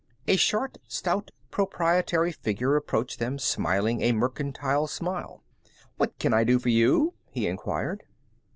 A short, stout, proprietary figure approached them smiling a mercantile smile. "What can I do for you?" he inquired.